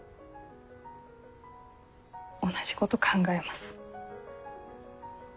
同じこと考えます私も。